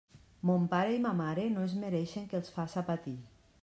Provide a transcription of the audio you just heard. Mon pare i ma mare no es mereixen que els faça patir.